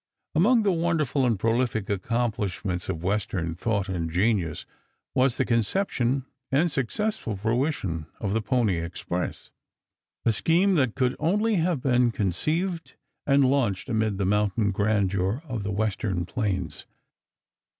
Among the wonderful and prolific accomplishments of Western thought and genius was the conception and successful fruition of the Pony Express, a scheme that could only have been conceived and launched amid the mountain grandeur of the Western plains.